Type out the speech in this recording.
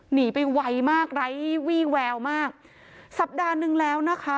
หนีไปไวมากไร้วี่แววมากสัปดาห์นึงแล้วนะคะ